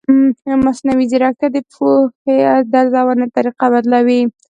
مصنوعي ځیرکتیا د پوهې د ارزونې طریقه بدلوي.